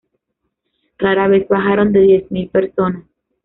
Rara vez bajaron de diez mil personas.